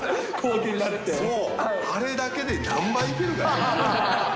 あれだけで何杯いけるか。